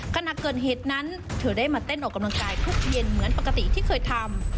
ขณะเกิดเหตุนั้นเธอได้มาเต้นออกกำลังกายทุกเย็นเหมือนปกติที่เคยทำ